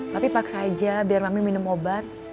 tapi paksa aja biar mami minum obat